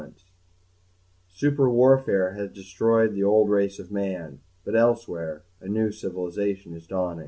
net _Super warfare has destroyed the old race of man, but elsewhere a new civilization is dawning....